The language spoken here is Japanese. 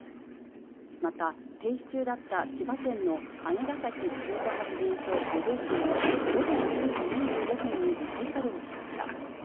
また、停止中だった千葉県の姉崎火力発電所５号機も、午前１０時４５分に再稼働しました。